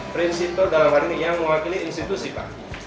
prinsip itu dalam hal ini yang mewakili institusi pak